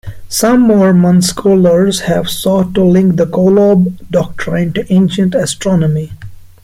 Some Mormon scholars have sought to link the Kolob doctrine to ancient astronomy.